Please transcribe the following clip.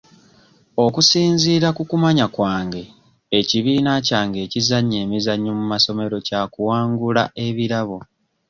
Okusinziira ku kumanya kwange ekibiina kyange ekizannya emizannyo mu masomero kyakuwangula ebirabo.